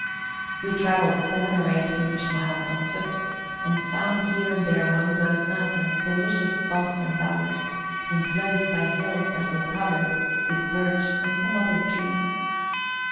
... We travelled seven or eight English miles on foot, and found here and there among those mountains delicious spots and valleys, enclosed by hills that were covered with birch and some other trees.